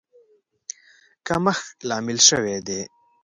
کمښت لامل شوی دی.